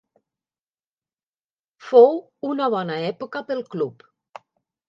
Fou una bona època pel club.